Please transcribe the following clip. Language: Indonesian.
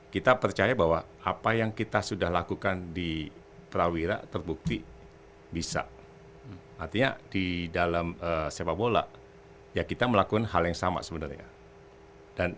kita percaya bahwa apa yang kita sudah lakukan di prawira terbukti bisa artinya di dalam sepak bola ya kita melakukan hal yang sama sebenarnya